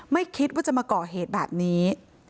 ไม่คิดว่าจะมาก่อเหตุแบบนี้